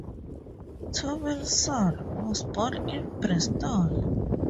Tomlinson was born in Bristol.